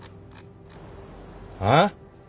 あっ？